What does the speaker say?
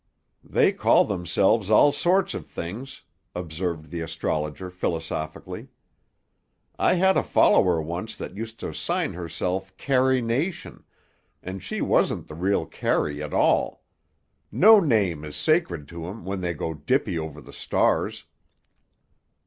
"They call themselves all sorts of things," observed the astrologer philosophically. "I had a follower once that used to sign herself Carrie Nation, and she wasn't the real Carrie at all. No name is sacred to 'em when they go dippy over the stars."